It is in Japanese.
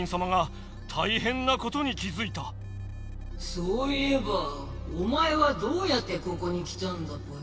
そういえばおまえはどうやってここに来たんだぽよ？